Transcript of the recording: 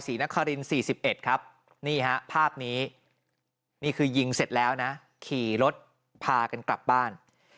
นคริน๔๑ครับนี่ฮะภาพนี้นี่คือยิงเสร็จแล้วนะขี่รถพากันกลับบ้าน